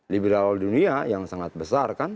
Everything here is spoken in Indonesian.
liberal dunia yang sangat besar kan